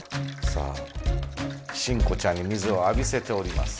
さあ新子ちゃんに水をあびせております。